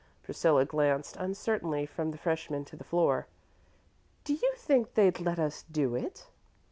Priscilla glanced uncertainly from the freshman to the floor. "Do you think they'd let us do it?"